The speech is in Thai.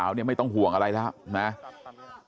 ชาวบ้านในพื้นที่บอกว่าปกติผู้ตายเขาก็อยู่กับสามีแล้วก็ลูกสองคนนะฮะ